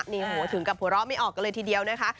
นี่โหถึงกับหัวเราะไม่ออกกันเลยทีเดียวนะคะ